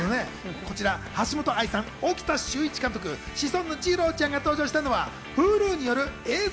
こちら橋本愛さん、沖田修一監督、シソンヌ・じろうちゃんが登場したのは、Ｈｕｌｕによる映像